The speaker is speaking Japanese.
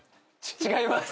違います。